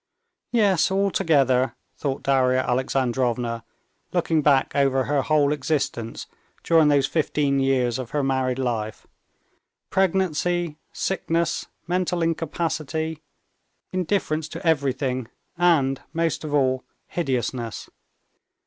"Yes, altogether," thought Darya Alexandrovna, looking back over her whole existence during those fifteen years of her married life, "pregnancy, sickness, mental incapacity, indifference to everything, and most of all—hideousness.